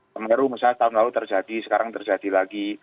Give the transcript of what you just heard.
semeru misalnya tahun lalu terjadi sekarang terjadi lagi